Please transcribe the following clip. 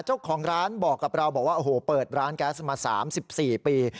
เจ้าของร้านบอกกับเราบอกว่าโอ้โหเปิดร้านแก๊สมา๓๔ปี